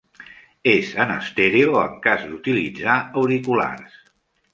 És en estèreo en cas d'utilitzar auriculars.